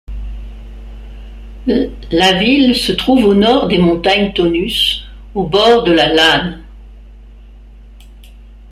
La ville se trouve au nord des montagnes Taunus, au bord de la Lahn.